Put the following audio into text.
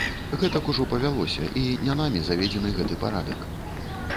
Гэтак ужо павялося, і не намі заведзены гэты парадак.